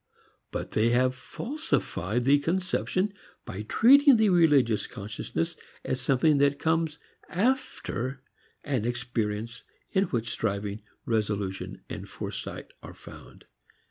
But they have falsified the conception by treating the religious consciousness as something that comes after an experience in which striving, resolution and foresight are found.